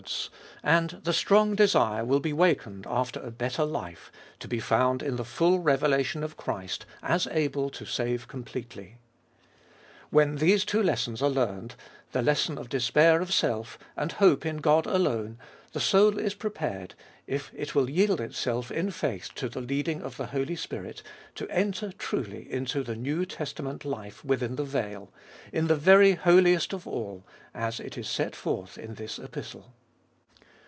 tJOliest of Bll 87 and the strong desire will be wakened after a better life, to be found in the full revelation of Christ as able to save completely. When these two lessons are learned — the lesson of despair of self and hope in God alone — the soul is prepared, if it will yield itself in faith to the leading of the Holy Spirit, to enter truly into the New Testament life within the veil, in the very Holiest of All, as it is set forth in this Epistle.